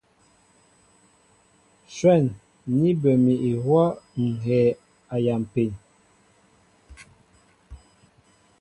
Shwɛ̂n ní bə mi ihwɔ́ ŋ̀ hɛɛ a yampi.